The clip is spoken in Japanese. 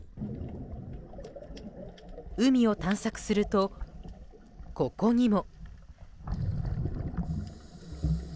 海を探索すると、ここにも。